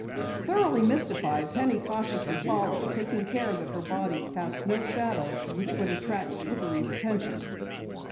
Thoroughly mystified, Penny cautiously followed, taking care that her body cast no shadow which would attract Slippery's attention.